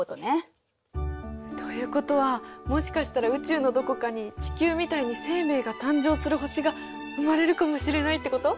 ということはもしかしたら宇宙のどこかに地球みたいに生命が誕生する星が生まれるかもしれないってこと？